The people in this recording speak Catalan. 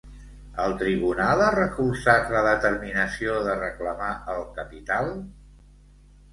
El Tribunal ha recolzat la determinació de reclamar el capital?